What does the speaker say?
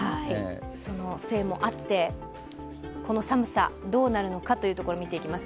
そのせいもあって、この寒さ、どうなるのか見ていきます。